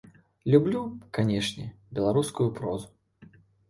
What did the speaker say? Люблю, канечне, беларускую прозу.